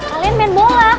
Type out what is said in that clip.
kalian main bola